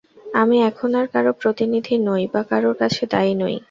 আমি এখন আর কারও প্রতিনিধি নই বা কারও কাছে দায়ী নই।